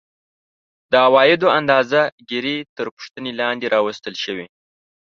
د عوایدو اندازه ګیري تر پوښتنې لاندې راوستل شوې